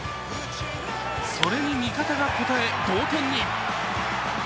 それに味方が応え同点に。